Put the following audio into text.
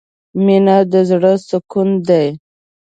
مینه د زړه سکون دی.